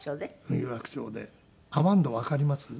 有楽町でアマンドわかります？